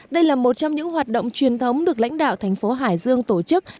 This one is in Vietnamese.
đây là một trong những hoạt động truyền thống được lãnh đạo thành phố hải dương tổ chức